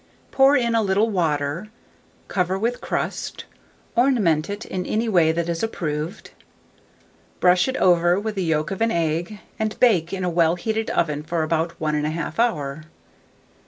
Pour in a little water, cover with crust, ornament it in any way that is approved; brush it over with the yolk of an egg, and bake in a well heated oven for about 1 1/2 hour.